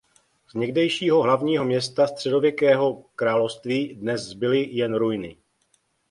Z někdejšího hlavního města středověkého království dnes zbyly jen ruiny.